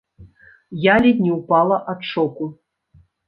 Я ледзь не ўпала ад шоку.